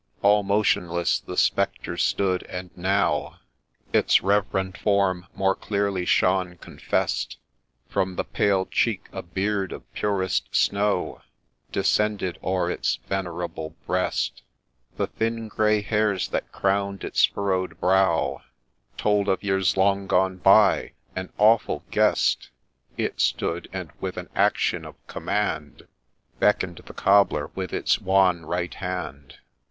All motionless the Spectre stood, — and now Its rev'rend form more clearly shone confest ; From the pale cheek a beard of purest snow Descended o'er its venerable breast ; The thin grey hairs, that crown'd its furrow'd brow, Told of years long gone by. — An awful guest It stood, and with an action of command, Beckon'd the Cobbler with its wan right hand.